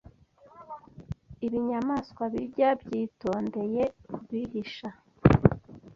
Ibinyamanswa birya byitondeye kubihisha